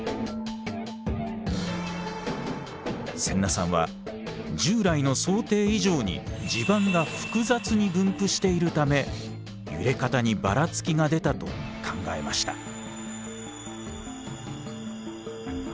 先名さんは従来の想定以上に地盤が複雑に分布しているため揺れ方にばらつきが出たと考えました。